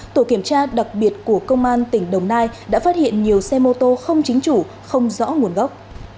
tổ kiểm tra đặc biệt của công an tỉnh đồng nai đã phát hiện nhiều xe mô tô không chính chủ không rõ nguồn gốc